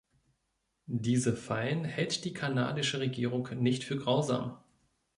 Diese Fallen hält die kanadische Regierung nicht für grausam.